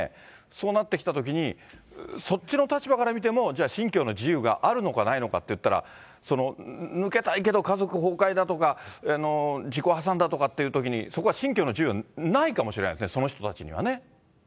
そうなってきたときに、そっちの立場から見ても、じゃあ信教の自由があるのかないのかっていったら、抜けたいけど家族崩壊だとか、自己破産だとかっていうときに、そこは信教の自由はないかもしれないですね、その人たちにはね。